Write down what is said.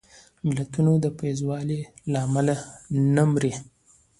ملتونه د بېوزلۍ له امله نه مري